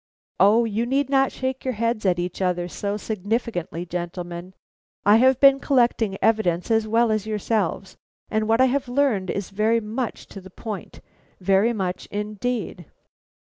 O you need not shake your heads at each other so significantly, gentlemen. I have been collecting evidence as well as yourselves, and what I have learned is very much to the point; very much, indeed."